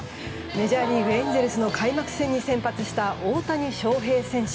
メジャーリーグエンゼルスの開幕戦に先発した大谷翔平選手。